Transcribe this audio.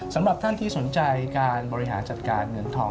สำหรับท่านที่สนใจการบริหารจัดการเงินทอง